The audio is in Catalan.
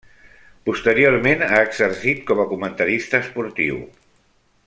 Posteriorment, ha exercit com a comentarista esportiu.